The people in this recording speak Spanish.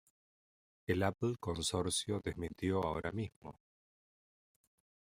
El Apple consorcio desmintió ahora mismo.